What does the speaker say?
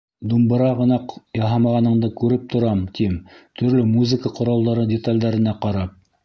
— Думбыра ғына яһамағаныңды күреп торам, — тим, төрлө музыка ҡоралдары деталдәренә ҡарап.